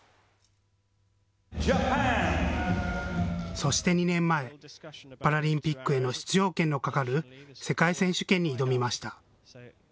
そして２年前、パラリンピックへの出場権のかかる世界選手権に挑みました。